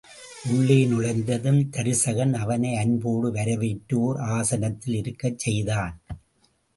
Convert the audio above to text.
உள்ளே நுழைந்ததும் தருசகன் அவனை அன்போடு வரவேற்று ஒர் ஆசனத்தில் இருக்கச் செய்தான்.